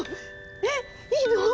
えっいいの？